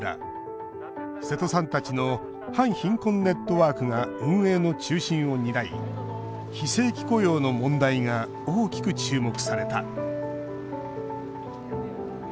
瀬戸さんたちの反貧困ネットワークが運営の中心を担い非正規雇用の問題が大きく注目された。